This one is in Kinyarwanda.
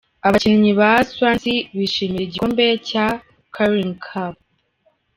Abakinnyi ba Swansea bishimira igikombe cya "Carling Cup".